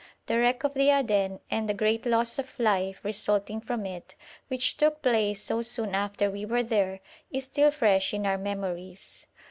The wreck of the Aden, and the great loss of life resulting from it, which took place so soon after we were there, is still fresh in our memories.